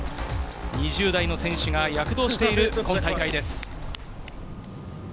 ２０代の選手が躍動している今大会です。